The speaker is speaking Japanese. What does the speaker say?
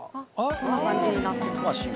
こんな感じになってます。